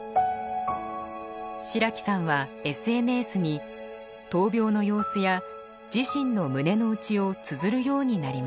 白木さんはＳＮＳに闘病の様子や自信の胸の内をつづるようになります。